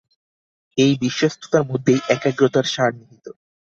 এই বিশ্বস্ততার মধ্যেই একাগ্রতার সার নিহিত।